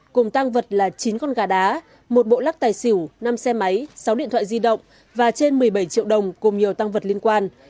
cùng tăng vật là chín con gà đá một bộ lắc tài xỉu năm xe máy sáu điện thoại di động và trên một mươi bảy triệu đồng cùng nhiều tăng vật liên quan